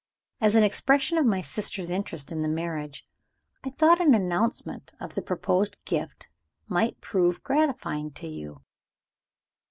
As an expression of my sister's interest in the marriage, I thought an announcement of the proposed gift might prove gratifying to you."